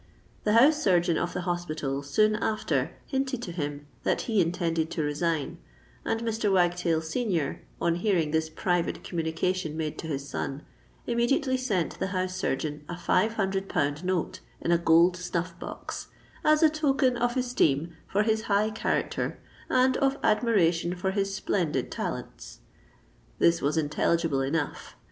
The house surgeon of the hospital soon after hinted to him that he intended to resign; and Mr. Wagtail senior, on hearing this private communication made to his son, immediately sent the house surgeon a five hundred pound note in a gold snuff box, "as a token of esteem for his high character and of admiration for his splendid talents." This was intelligible enough.